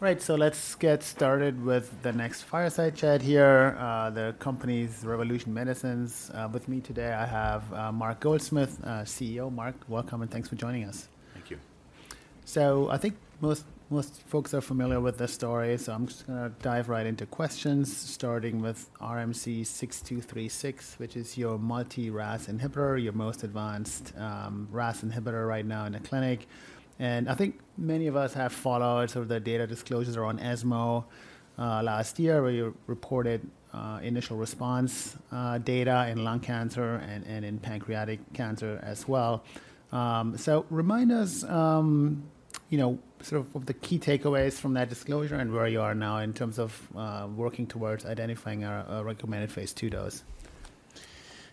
Right, so let's get started with the next fireside chat here, the company's Revolution Medicines. With me today, I have Mark Goldsmith, CEO. Mark, welcome, and thanks for joining us. Thank you. So I think most folks are familiar with the story, so I'm just gonna dive right into questions, starting with RMC-6236, which is your multi-RAS inhibitor, your most advanced RAS inhibitor right now in the clinic. And I think many of us have followed sort of the data disclosures around ESMO last year, where you reported initial response data in lung cancer and in pancreatic cancer as well. So remind us, you know, sort of the key takeaways from that disclosure and where you are now in terms of working towards identifying a recommended phase II dose.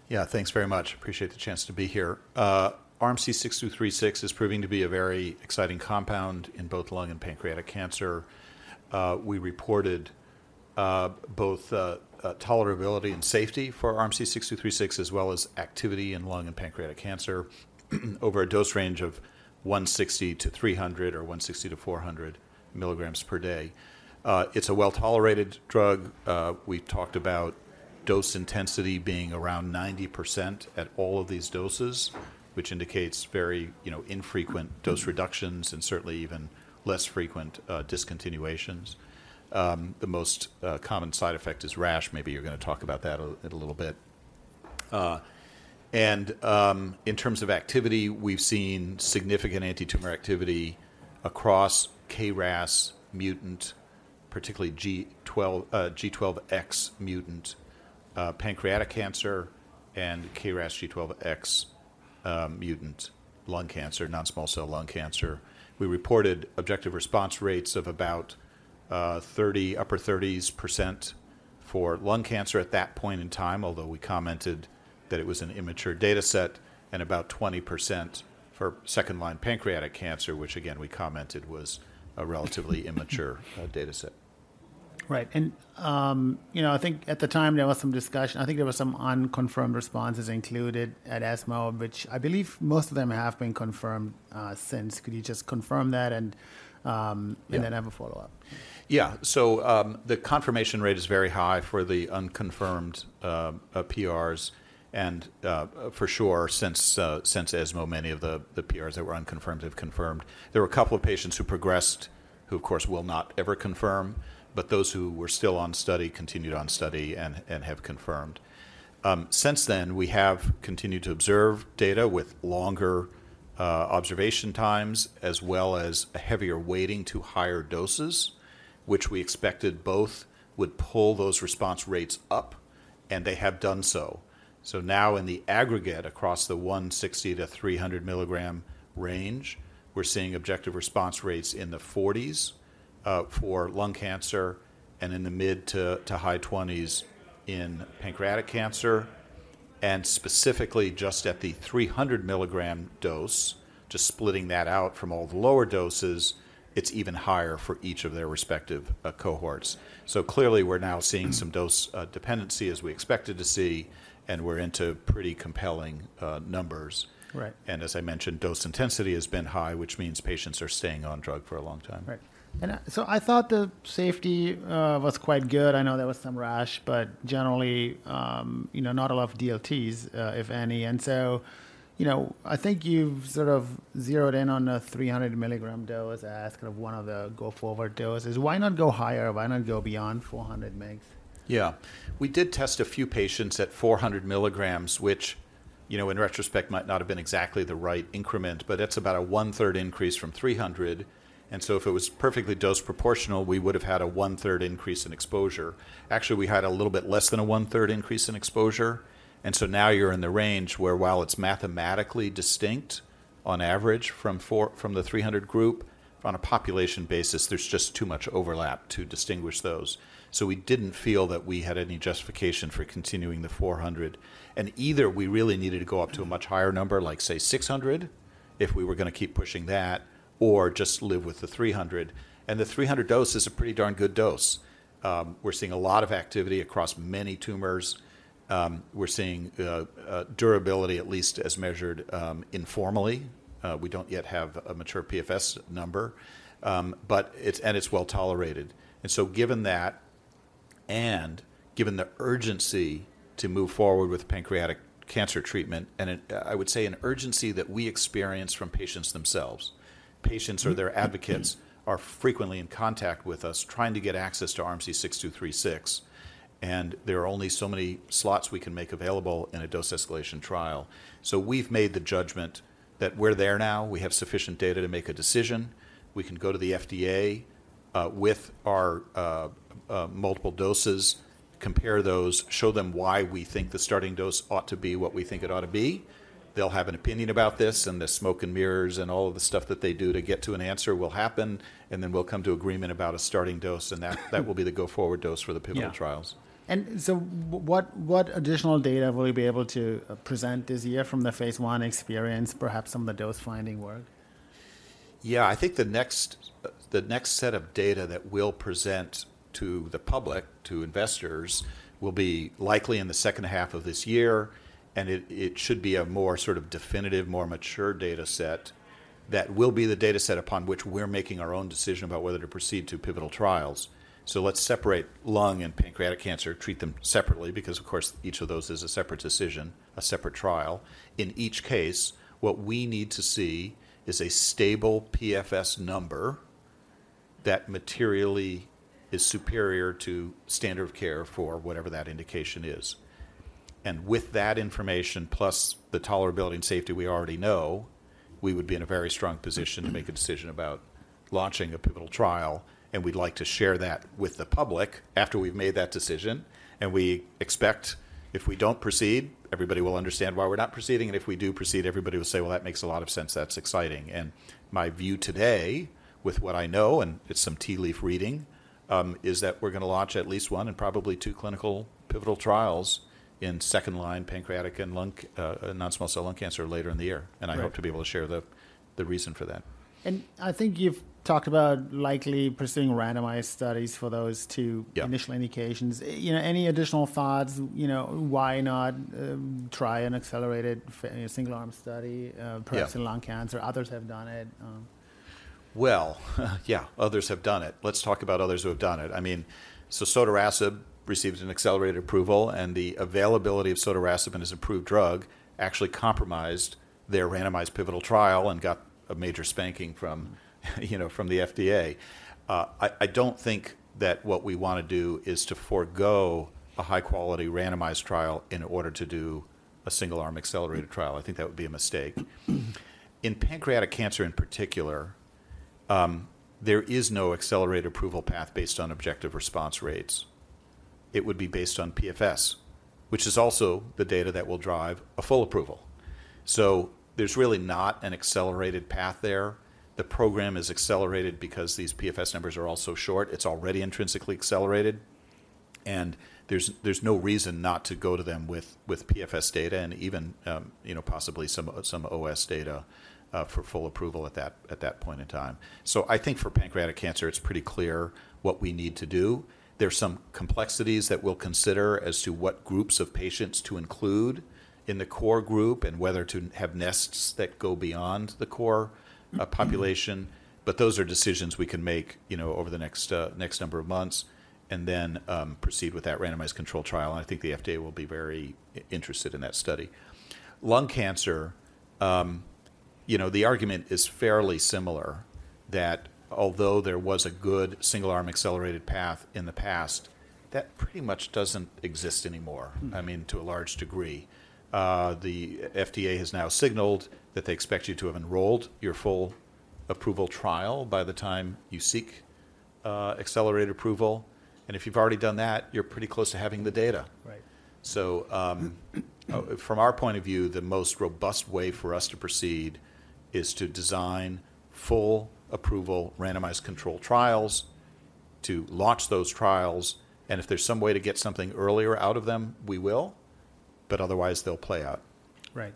Yeah. Thanks very much. Appreciate the chance to be here. RMC-6236 is proving to be a very exciting compound in both lung and pancreatic cancer. We reported both tolerability and safety for RMC-6236, as well as activity in lung and pancreatic cancer over a dose range of 160-300 or 160-400 mg/day. It's a well-tolerated drug. We talked about dose intensity being around 90% at all of these doses, which indicates very, you know, infrequent dose reductions and certainly even less frequent discontinuations. The most common side effect is rash. Maybe you're gonna talk about that in a little bit. In terms of activity, we've seen significant anti-tumor activity across KRAS mutant, particularly G12, G12X mutant, pancreatic cancer and KRAS G12X mutant lung cancer, non-small cell lung cancer. We reported objective response rates of about 30-upper 30% for lung cancer at that point in time, although we commented that it was an immature data set, and about 20% for second-line pancreatic cancer, which, again, we commented was a relatively immature data set. Right. And, you know, I think at the time there was some discussion, I think there were some unconfirmed responses included at ESMO, which I believe most of them have been confirmed, since. Could you just confirm that, and Yeah and then I have a follow-up. Yeah. So, the confirmation rate is very high for the unconfirmed PRs, and for sure, since ESMO, many of the PRs that were unconfirmed have confirmed. There were a couple of patients who progressed, who, of course, will not ever confirm, but those who were still on study continued on study and have confirmed. Since then, we have continued to observe data with longer observation times, as well as a heavier weighting to higher doses, which we expected both would pull those response rates up, and they have done so. So now in the aggregate, across the 160-300 mg range, we're seeing objective response rates in the 40s for lung cancer and in the mid- to high 20s in pancreatic cancer. And specifically, just at the 300 mg dose, just splitting that out from all the lower doses, it's even higher for each of their respective cohorts. So clearly, we're now seeing some dose dependency, as we expected to see, and we're into pretty compelling numbers. Right. As I mentioned, dose intensity has been high, which means patients are staying on drug for a long time. Right. And, so I thought the safety was quite good. I know there was some rash, but generally, you know, not a lot of DLTs, if any. And so, you know, I think you've sort of zeroed in on a 300 mg dose as kind of one of the go-forward doses. Why not go higher? Why not go beyond 400 mgs? Yeah. We did test a few patients at 400 mg, which, you know, in retrospect, might not have been exactly the right increment, but that's about a 1/3 increase from 300, and so if it was perfectly dose proportional, we would have had a 1/3 increase in exposure. Actually, we had a little bit less than a 1/3 increase in exposure, and so now you're in the range where, while it's mathematically distinct on average from the 300 mg group, on a population basis, there's just too much overlap to distinguish those. So we didn't feel that we had any justification for continuing the 400 mg, and either we really needed to go up to a much higher number, like, say, 600 mg, if we were gonna keep pushing that, or just live with the 300 mg. The 300 dose is a pretty darn good dose. We're seeing a lot of activity across many tumors. We're seeing durability, at least as measured informally. We don't yet have a mature PFS number, but it's, and it's well-tolerated. So given that, and given the urgency to move forward with pancreatic cancer treatment, and I would say an urgency that we experience from patients themselves. Patients or their advocates are frequently in contact with us, trying to get access to RMC-6236, and there are only so many slots we can make available in a dose escalation trial. So we've made the judgment that we're there now. We have sufficient data to make a decision. We can go to the FDA with our multiple doses, compare those, show them why we think the starting dose ought to be what we think it ought to be. They'll have an opinion about this, and the smoke and mirrors and all of the stuff that they do to get to an answer will happen, and then we'll come to agreement about a starting dose, and that will be the go-forward dose for the pivotal trials. Yeah. So what additional data will you be able to present this year from the phase I experience, perhaps some of the dose-finding work? Yeah. I think the next set of data that we'll present to the public, to investors, will be likely in the second half of this year, and it should be a more sort of definitive, more mature data set that will be the data set upon which we're making our own decision about whether to proceed to pivotal trials. So let's separate lung and pancreatic cancer, treat them separately, because, of course, each of those is a separate decision, a separate trial. In each case, what we need to see is a stable PFS number that materially is superior to standard of care for whatever that indication is. With that information, plus the tolerability and safety we already know, we would be in a very strong position to make a decision about launching a pivotal trial, and we'd like to share that with the public after we've made that decision. And we expect if we don't proceed, everybody will understand why we're not proceeding, and if we do proceed, everybody will say, "Well, that makes a lot of sense. That's exciting." And my view today, with what I know, and it's some tea leaf reading, is that we're gonna launch at least one and probably two clinical pivotal trials in second-line pancreatic and non-small cell lung cancer later in the year. Right. I hope to be able to share the reason for that. I think you've talked about likely pursuing randomized studies for those two. Yeah initial indications. You know, any additional thoughts? You know, why not try and accelerate it in a single-arm study? Yeah perhaps in lung cancer? Others have done it. Well, yeah, others have done it. Let's talk about others who have done it. I mean, so Sotorasib received an accelerated approval, and the availability of Sotorasib as an approved drug actually compromised their randomized pivotal trial and got a major spanking from, you know, from the FDA. I don't think that what we wanna do is to forgo a high-quality randomized trial in order to do a single-arm accelerated trial. I think that would be a mistake. In pancreatic cancer, in particular, there is no accelerated approval path based on objective response rates. It would be based on PFS, which is also the data that will drive a full approval. So there's really not an accelerated path there. The program is accelerated because these PFS numbers are all so short. It's already intrinsically accelerated, and there's no reason not to go to them with PFS data and even, you know, possibly some OS data, for full approval at that point in time. So I think for pancreatic cancer, it's pretty clear what we need to do. There's some complexities that we'll consider as to what groups of patients to include in the core group and whether to have nests that go beyond the core population. Mm-hmm. But those are decisions we can make, you know, over the next next number of months and then proceed with that randomized controlled trial, and I think the FDA will be very interested in that study. Lung cancer, you know, the argument is fairly similar that although there was a good single-arm accelerated path in the past, that pretty much doesn't exist anymore. Mm. I mean, to a large degree. The FDA has now signaled that they expect you to have enrolled your full approval trial by the time you seek, accelerated approval, and if you've already done that, you're pretty close to having the data. Right. From our point of view, the most robust way for us to proceed is to design full approval, randomized controlled trials, to launch those trials, and if there's some way to get something earlier out of them, we will, but otherwise, they'll play out. Right.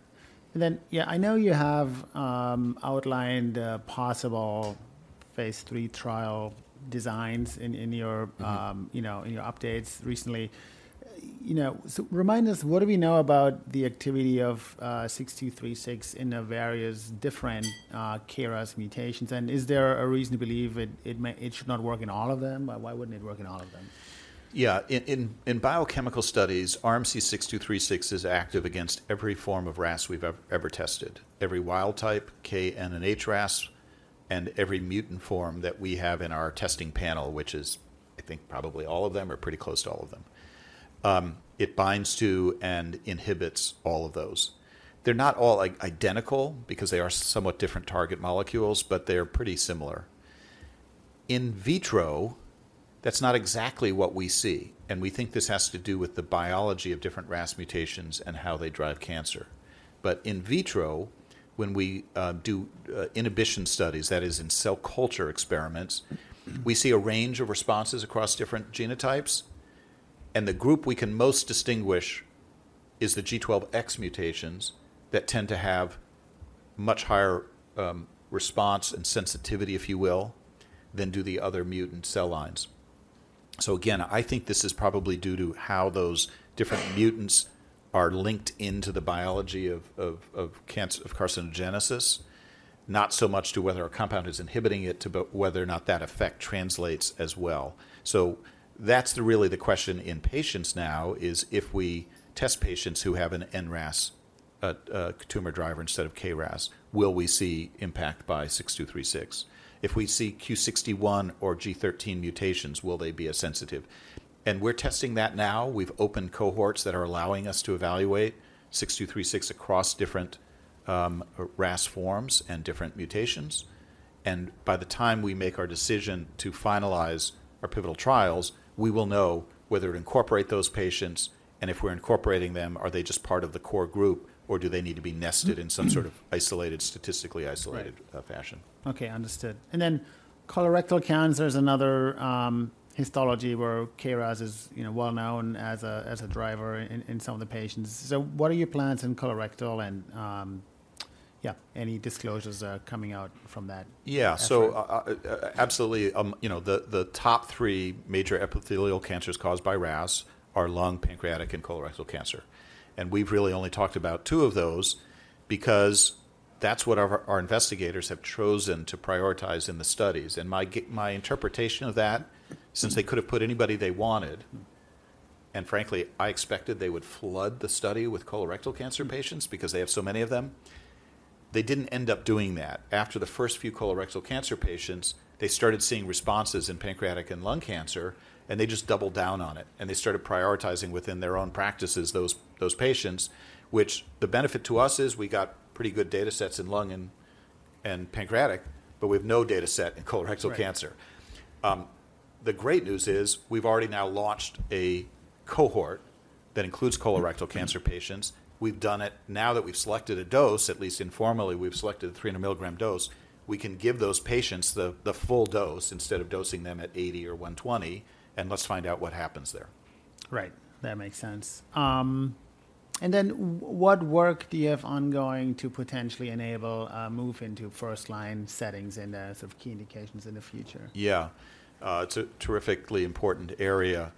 And then, yeah, I know you have outlined possible phase III trial designs in your— Mm-hmm you know, in your updates recently. You know, so remind us, what do we know about the activity of RMC-6236 in the various different KRAS mutations, and is there a reason to believe it may, it should not work in all of them? Why wouldn't it work in all of them? Yeah. In biochemical studies, RMC-6236 is active against every form of RAS we've ever tested, every wild type, K, N, and H RAS, and every mutant form that we have in our testing panel, which is, I think, probably all of them or pretty close to all of them. It binds to and inhibits all of those. They're not all identical because they are somewhat different target molecules, but they are pretty similar. In vitro, that's not exactly what we see, and we think this has to do with the biology of different RAS mutations and how they drive cancer. But in vitro, when we do inhibition studies, that is, in cell culture experiments Mm we see a range of responses across different genotypes, and the group we can most distinguish is the G12X mutations that tend to have much higher response and sensitivity, if you will, than do the other mutant cell lines. So again, I think this is probably due to how those different mutants are linked into the biology of cancer, of carcinogenesis, not so much to whether a compound is inhibiting it, but whether or not that effect translates as well. So that's really the question in patients now is, if we test patients who have an NRAS tumor driver instead of KRAS, will we see impact by 6236? If we see Q61 or G13 mutations, will they be as sensitive? And we're testing that now. We've opened cohorts that are allowing us to evaluate 6236 across different RAS forms and different mutations, and by the time we make our decision to finalize our pivotal trials, we will know whether to incorporate those patients, and if we're incorporating them, are they just part of the core group, or do they need to be nested in some sort of isolated, statistically isolated. Right fashion? Okay, understood. And then colorectal cancer is another histology where KRAS is, you know, well-known as a driver in some of the patients. So what are your plans in colorectal and yeah, any disclosures coming out from that? Yeah. So, absolutely, you know, the top three major epithelial cancers caused by RAS are lung, pancreatic, and colorectal cancer, and we've really only talked about two of those because that's what our investigators have chosen to prioritize in the studies. And my interpretation of that, since they could have put anybody they wanted, and frankly, I expected they would flood the study with colorectal cancer patients because they have so many of them, they didn't end up doing that. After the first few colorectal cancer patients, they started seeing responses in pancreatic and lung cancer, and they just doubled down on it, and they started prioritizing within their own practices, those patients, which the benefit to us is we got pretty good data sets in lung and pancreatic, but we have no data set in colorectal cancer. Right. The great news is, we've already now launched a cohort that includes colorectal cancer patients. We've done it. Now that we've selected a dose, at least informally, we've selected a 300 mg dose, we can give those patients the full dose instead of dosing them at 80 mg or 120 mg, and let's find out what happens there. Right, that makes sense. And then what work do you have ongoing to potentially enable a move into first-line settings in the sort of key indications in the future? Yeah. It's a terrifically important area.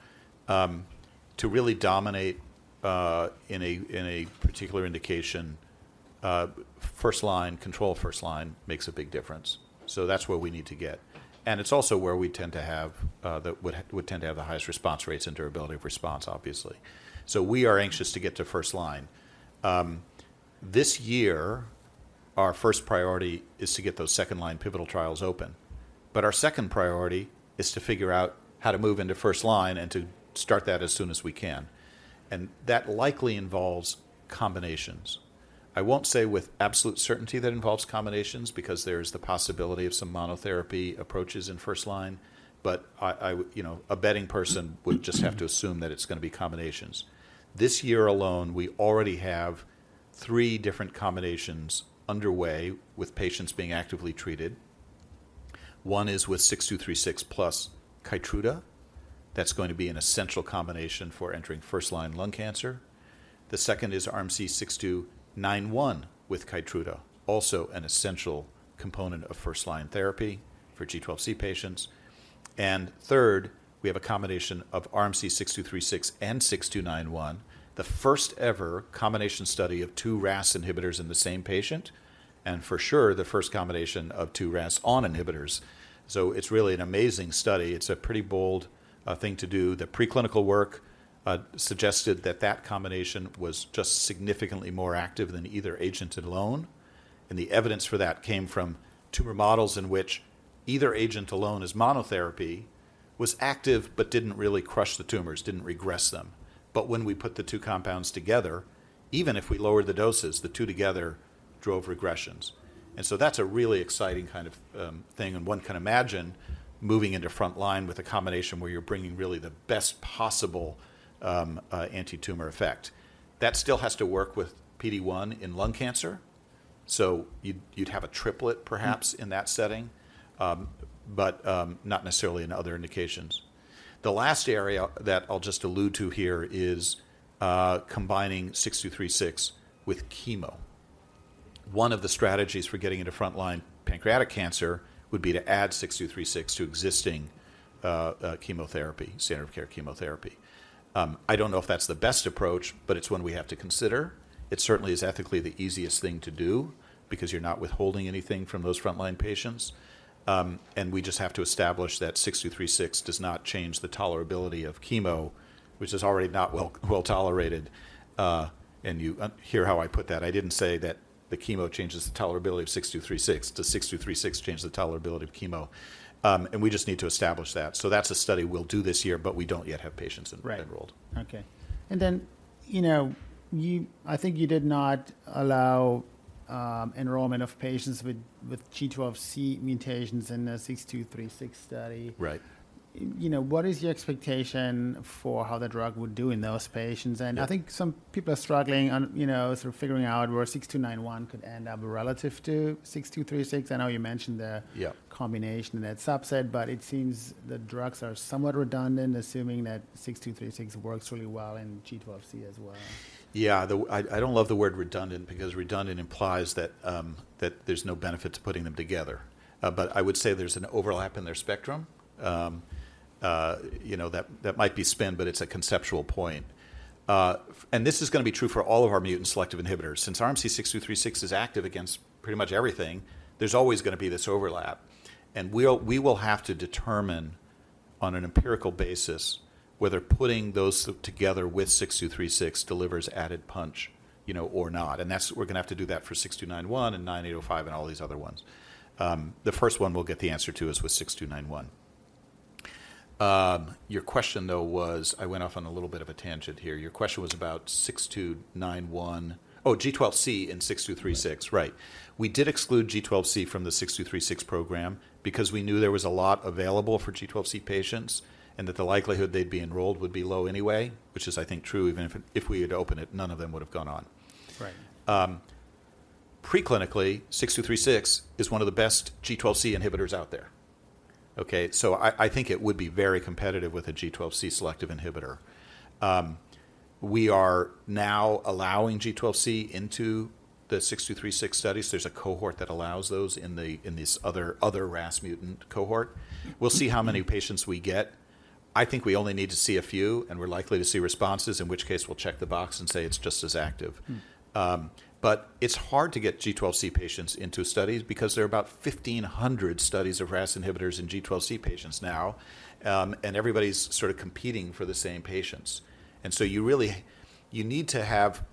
To really dominate in a particular indication, first line, control first line makes a big difference. So that's where we need to get. And it's also where we tend to have would tend to have the highest response rates and durability of response, obviously. So we are anxious to get to first line. This year, our first priority is to get those second-line pivotal trials open. But our second priority is to figure out how to move into first line and to start that as soon as we can. And that likely involves combinations. I won't say with absolute certainty that involves combinations because there's the possibility of some monotherapy approaches in first line, but I would, you know, a betting person would just have to assume that it's gonna be combinations. This year alone, we already have three different combinations underway with patients being actively treated. One is with 6236 plus Keytruda. That's going to be an essential combination for entering first-line lung cancer. The second is RMC-6291 with Keytruda, also an essential component of first-line therapy for G12C patients. And third, we have a combination of RMC-6236 and 6291, the first ever combination study of two RAS inhibitors in the same patient, and for sure, the first combination of two RAS(ON) inhibitors. So it's really an amazing study. It's a pretty bold thing to do. The preclinical work suggested that that combination was just significantly more active than either agent alone, and the evidence for that came from tumor models in which either agent alone as monotherapy was active but didn't really crush the tumors, didn't regress them. But when we put the two compounds together, even if we lowered the doses, the two together drove regressions. And so that's a really exciting kind of thing, and one can imagine moving into front line with a combination where you're bringing really the best possible antitumor effect. That still has to work with PD-1 in lung cancer, so you'd, you'd have a triplet, perhaps, in that setting, but not necessarily in other indications. The last area that I'll just allude to here is combining 6236 with chemo. One of the strategies for getting into front-line pancreatic cancer would be to add 6236 to existing chemotherapy, standard of care chemotherapy. I don't know if that's the best approach, but it's one we have to consider. It certainly is ethically the easiest thing to do because you're not withholding anything from those front-line patients. We just have to establish that 6236 does not change the tolerability of chemo, which is already not well tolerated. You hear how I put that. I didn't say that the chemo changes the tolerability of 6236, the 6236 changes the tolerability of chemo. We just need to establish that. That's a study we'll do this year, but we don't yet have patients enrolled. Right. Okay. And then, you know, you, I think you did not allow enrollment of patients with G12C mutations in the 6236 study. Right. You know, what is your expectation for how the drug would do in those patients? Yeah. I think some people are struggling on, you know, sort of figuring out where 6291 could end up relative to 6236. I know you mentioned the Yeah combination in that subset, but it seems the drugs are somewhat redundant, assuming that 6236 works really well in G12C as well. Yeah, I don't love the word "redundant" because redundant implies that, that there's no benefit to putting them together. But I would say there's an overlap in their spectrum. You know, that might be spin, but it's a conceptual point. And this is gonna be true for all of our mutant selective inhibitors. Since RMC-6236 is active against pretty much everything, there's always gonna be this overlap. And we will have to determine on an empirical basis whether putting those two together with 6236 delivers added punch, you know, or not. And we're gonna have to do that for 6291 and 9805 and all these other ones. The first one we'll get the answer to is with 6291. Your question, though, was, I went off on a little bit of a tangent here. Your question was about 6291-- Oh, G12C and 6236. Right. Right. We did exclude G12C from the 6236 program because we knew there was a lot available for G12C patients and that the likelihood they'd be enrolled would be low anyway, which is, I think, true, even if we had opened it, none of them would have gone on. Right. Preclinically, 6236 is one of the best G12C inhibitors out there, okay? So I, I think it would be very competitive with a G12C selective inhibitor. We are now allowing G12C into the 6236 studies. There's a cohort that allows those in the, in this other, other RAS mutant cohort. We'll see how many patients we get. I think we only need to see a few, and we're likely to see responses, in which case we'll check the box and say it's just as active. But it's hard to get G12C patients into studies because there are about 1,500 studies of RAS inhibitors in G12C patients now, and everybody's sort of competing for the same patients. And so you really need to have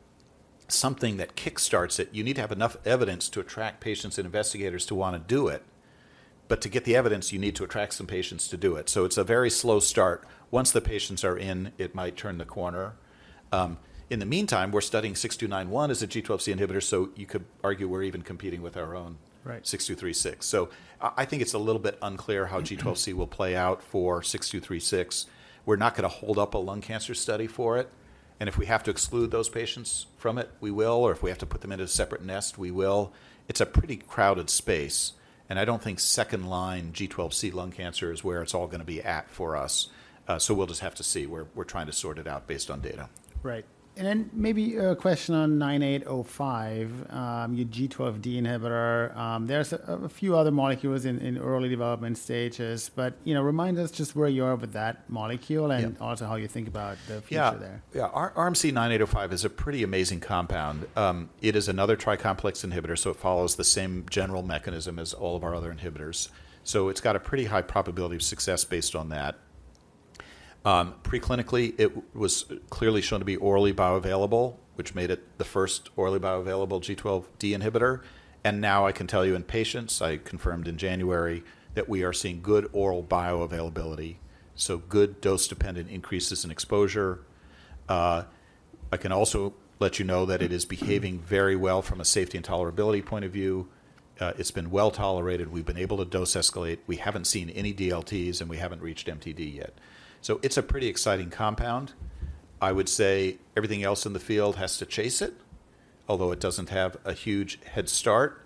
something that kick-starts it. You need to have enough evidence to attract patients and investigators to wanna do it, but to get the evidence, you need to attract some patients to do it. So it's a very slow start. Once the patients are in, it might turn the corner. In the meantime, we're studying 6291 as a G12C inhibitor, so you could argue we're even competing with our own- Right 6236. So I think it's a little bit unclear how G12C will play out for 6236. We're not gonna hold up a lung cancer study for it, and if we have to exclude those patients from it, we will, or if we have to put them in a separate nest, we will. It's a pretty crowded space, and I don't think second-line G12C lung cancer is where it's all gonna be at for us. So we'll just have to see. We're trying to sort it out based on data. Right. And then maybe a question on 9805, your G12D inhibitor. There's a few other molecules in early development stages, but, you know, remind us just where you are with that molecule- Yeah and also how you think about the future there. Yeah, yeah. Our RMC-9805 is a pretty amazing compound. It is another Tri-Complex inhibitor, so it follows the same general mechanism as all of our other inhibitors. So it's got a pretty high probability of success based on that. Preclinically, it was clearly shown to be orally bioavailable, which made it the first orally bioavailable G12D inhibitor. And now I can tell you in patients, I confirmed in January that we are seeing good oral bioavailability, so good dose-dependent increases in exposure. I can also let you know that it is behaving very well from a safety and tolerability point of view. It's been well tolerated. We've been able to dose escalate. We haven't seen any DLTs, and we haven't reached MTD yet. So it's a pretty exciting compound. I would say everything else in the field has to chase it, although it doesn't have a huge head start.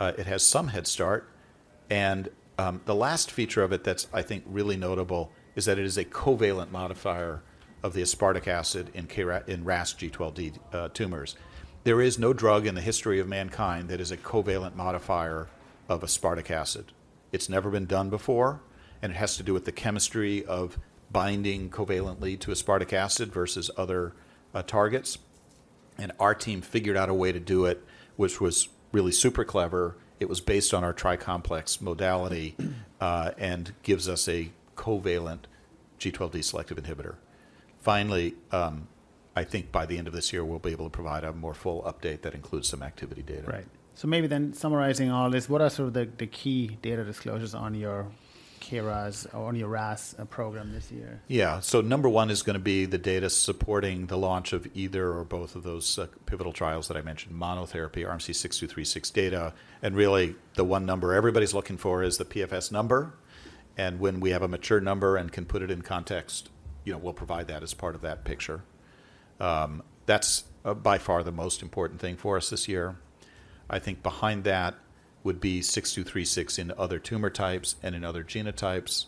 It has some head start, and the last feature of it that's, I think, really notable is that it is a covalent modifier of the aspartic acid in KRAS in RAS G12D tumors. There is no drug in the history of mankind that is a covalent modifier of aspartic acid. It's never been done before, and it has to do with the chemistry of binding covalently to aspartic acid versus other targets. And our team figured out a way to do it, which was really super clever. It was based on our tricomplex modality, and gives us a covalent G12D selective inhibitor. Finally, I think by the end of this year, we'll be able to provide a more full update that includes some activity data. Right. So maybe then, summarizing all this, what are sort of the key data disclosures on your KRAS or on your RAS program this year? Yeah. So number one is gonna be the data supporting the launch of either or both of those pivotal trials that I mentioned, monotherapy, RMC-6236 data. And really, the one number everybody's looking for is the PFS number, and when we have a mature number and can put it in context, you know, we'll provide that as part of that picture. That's by far the most important thing for us this year. I think behind that would be 6236 in other tumor types and in other genotypes.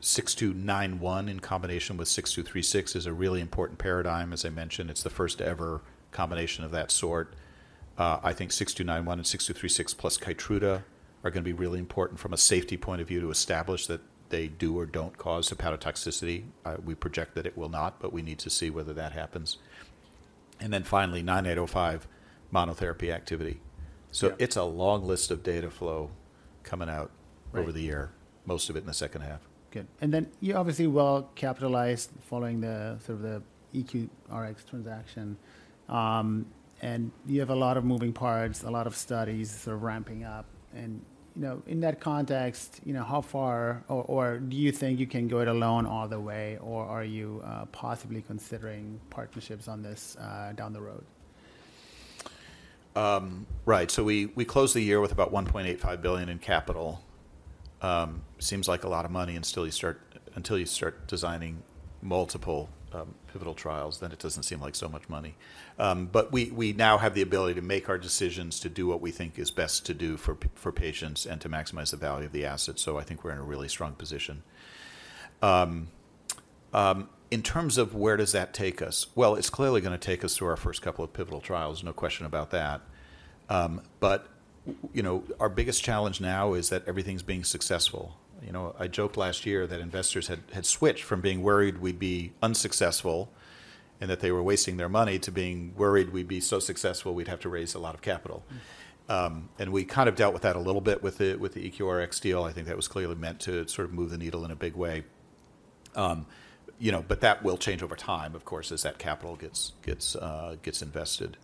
6291 in combination with 6236 is a really important paradigm. As I mentioned, it's the first-ever combination of that sort. I think 6291 and 6236 plus Keytruda are gonna be really important from a safety point of view to establish that they do or don't cause hepatotoxicity. We project that it will not, but we need to see whether that happens. And then finally, 9805 monotherapy activity. Yeah. It's a long list of data flow coming out- Right Over the year, most of it in the second half. Good. And then you're obviously well-capitalized following the sort of the EQRx transaction, and you have a lot of moving parts, a lot of studies sort of ramping up. And, you know, in that context, you know, how far or do you think you can do it alone all the way, or are you possibly considering partnerships on this, down the road? Right. So we, we closed the year with about $1.85 billion in capital. Seems like a lot of money, and still until you start designing multiple, pivotal trials, then it doesn't seem like so much money. But we, we now have the ability to make our decisions to do what we think is best to do for patients and to maximize the value of the assets, so I think we're in a really strong position. In terms of where does that take us? Well, it's clearly gonna take us to our first couple of pivotal trials, no question about that. But, you know, our biggest challenge now is that everything's being successful. You know, I joked last year that investors had switched from being worried we'd be unsuccessful and that they were wasting their money to being worried we'd be so successful we'd have to raise a lot of capital. And we kind of dealt with that a little bit with the EQRx deal. I think that was clearly meant to sort of move the needle in a big way. You know, but that will change over time, of course, as that capital gets invested.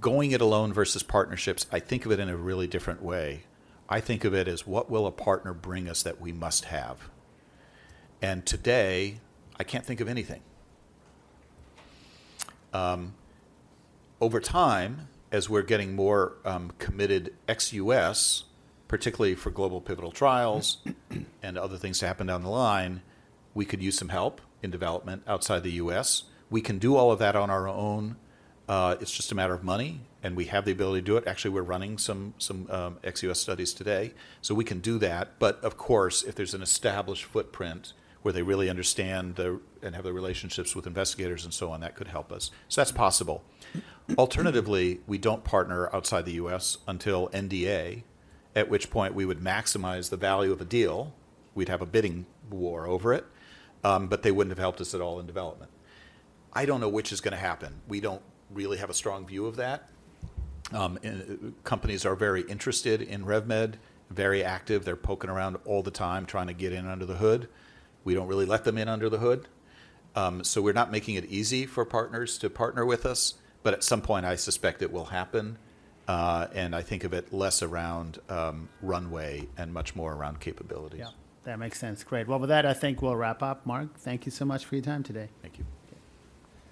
Going it alone versus partnerships, I think of it in a really different way. I think of it as, what will a partner bring us that we must have? And today, I can't think of anything. Over time, as we're getting more committed ex US, particularly for global pivotal trials and other things to happen down the line, we could use some help in development outside the US. We can do all of that on our own. It's just a matter of money, and we have the ability to do it. Actually, we're running some ex US studies today, so we can do that. But of course, if there's an established footprint where they really understand the and have the relationships with investigators and so on, that could help us. So that's possible. Alternatively, we don't partner outside the US until NDA, at which point we would maximize the value of a deal. We'd have a bidding war over it, but they wouldn't have helped us at all in development. I don't know which is gonna happen. We don't really have a strong view of that. And companies are very interested in RevMed, very active. They're poking around all the time, trying to get in under the hood. We don't really let them in under the hood. So we're not making it easy for partners to partner with us, but at some point, I suspect it will happen. And I think of it less around runway and much more around capabilities. Yeah, that makes sense. Great. Well, with that, I think we'll wrap up. Mark, thank you so much for your time today. Thank you.